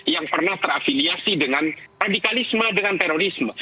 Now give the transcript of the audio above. yang pernah terafiliasi dengan radikalisme dengan terorisme